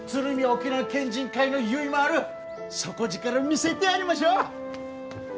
沖縄県人会のゆいまーる底力見せてやりましょう！